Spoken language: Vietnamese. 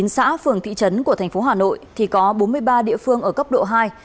một mươi xã phường thị trấn của thành phố hà nội thì có bốn mươi ba địa phương ở cấp độ hai